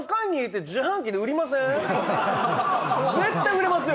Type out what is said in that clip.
絶対売れますよ